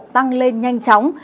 tăng lên nhanh chóng